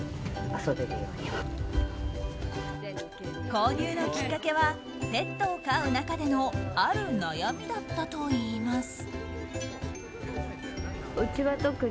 購入のきっかけはペットを飼う中でのある悩みだったといいます。